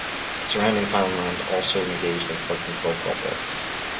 Surrounding farmland also engaged in flood control projects.